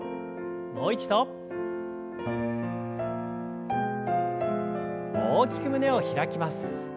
もう一度。大きく胸を開きます。